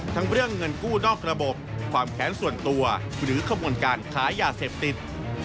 เรื่องเงินกู้นอกระบบความแค้นส่วนตัวหรือขบวนการค้ายาเสพติด